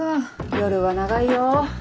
夜は長いよ。